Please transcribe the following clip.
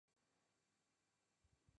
愧庵琴谱中国古琴谱。